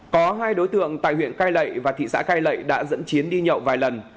có hai đối tượng tại huyện cai lậy và thị xã cai lậy đã dẫn chiến đi nhậu vài lần